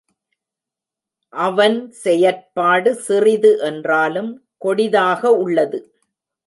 அவன் செயற்பாடு சிறிது என்றாலும் கொடிதாக உள்ளது.